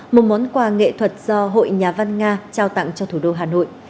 một món quà nghệ thuật do hội nhà văn nga trao tặng cho thủ đô hà nội